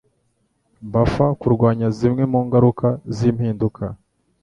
buffer kurwanya zimwe mungaruka zimpinduka